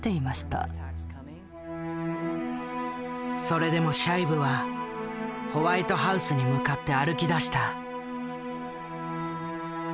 それでもシャイブはホワイトハウスに向かって歩きだした。